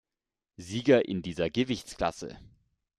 Sieger in dieser Gewichtsklasse.